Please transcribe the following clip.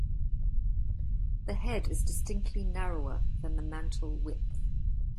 The head is distinctly narrower than the mantle width.